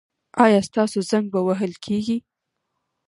ایا ستاسو زنګ به وهل کیږي؟